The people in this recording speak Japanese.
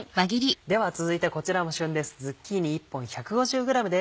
では続いてこちらも旬です。